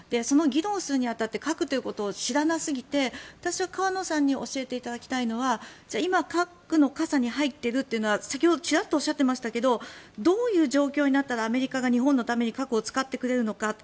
議論をするに当たって核ということを知らなすぎて私は河野さんに教えていただきたいのは今、核の傘に入っているというのは先ほどチラッとおっしゃっていましたがどういう状況になったらアメリカが日本のために核を使ってくれるのか。